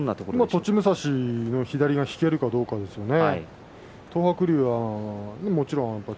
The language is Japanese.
栃武蔵の左が引けるかどうかですね。